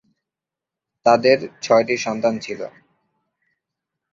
তাদের ছয়টি সন্তান ছিল।